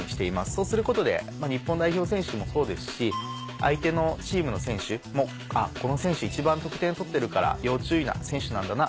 そうすることで日本代表選手もそうですし相手のチームの選手も「この選手一番得点取ってるから要注意な選手なんだな」